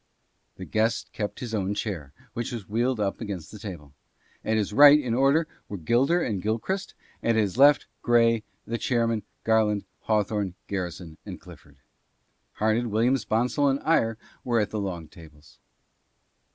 The guest kept his own chair, which was wheeled up against the table. At his right, in order, were Gilder and Gil christ ; at his left Grey, the chairman, Garland, Hawthorne, Garrison and Clifford. Horned, Williams, Bonsall and Eyre were at the long tables.